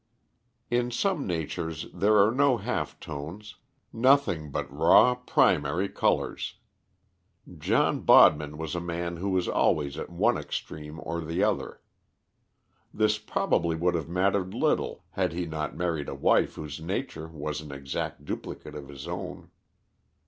In some natures there are no half tones; nothing but raw primary colours. John Bodman was a man who was always at one extreme or the other. This probably would have mattered little had he not married a wife whose nature was an exact duplicate of his own.